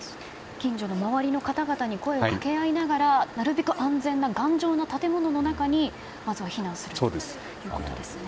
近所の周りの方々に声を掛け合いながらなるべく安全な頑丈な建物の中にまずは避難するということですね。